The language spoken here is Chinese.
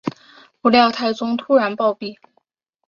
不料太宗突然暴毙。